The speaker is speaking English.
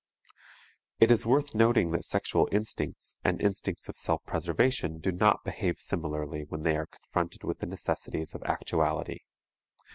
It is worth noting that sexual instincts and instincts of self preservation do not behave similarly when they are confronted with the necessities of actuality.